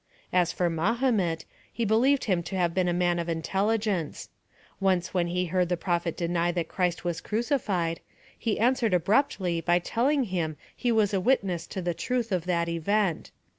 As for Mahomet, he believed him to have been a man of intelligence; once when he heard the prophet deny that Christ was crucified, he answered abruptly by telling him he was a witness to the truth of that event.